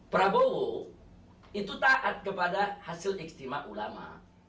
prabowo itu taat kepada hasil istimewa ulama